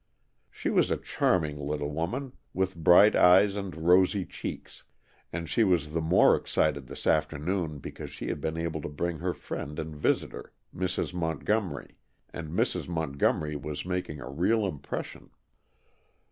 She was a charming little woman, with bright eyes and rosy cheeks, and she was the more excited this afternoon because she had been able to bring her friend and visitor, Mrs. Montgomery, and Mrs. Montgomery was making a real impression.